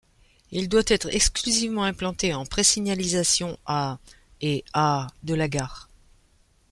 Il doit être exclusivement implanté en présignalisation à et à de la gare.